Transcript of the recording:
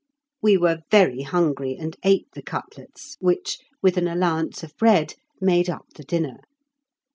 We were very hungry and ate the cutlets, which, with an allowance of bread, made up the dinner.